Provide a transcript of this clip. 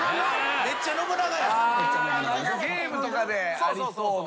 ゲームの中でありそうな。